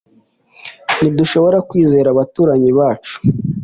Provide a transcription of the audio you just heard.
ntidushobora kwizera abaturanyi bacu